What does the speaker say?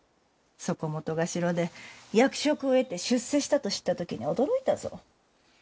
そこもとが城で役職を得て出世したと知った時には驚いたぞ。